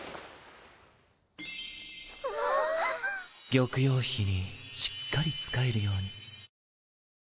玉葉妃にしっかり仕えるように。